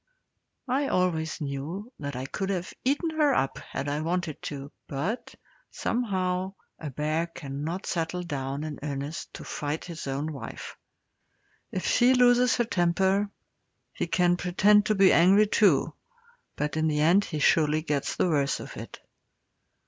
I always knew that I could have eaten her up had I wanted to, but, somehow, a bear cannot settle down in earnest to fight his own wife. If she loses her temper, he can pretend to be angry too, but in the end he surely gets the worst of it.